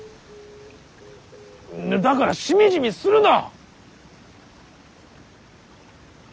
だからしみじみするな！